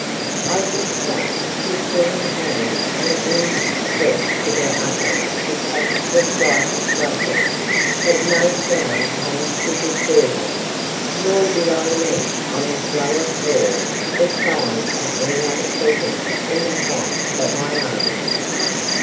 I did so, pistol in hand and ears stretched to their utmost to catch the slightest rustle, but no sound came to disturb me, nor did I meet on this lower floor the sign of any other presence in the house but my own.